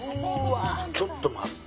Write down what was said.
ちょっと待って。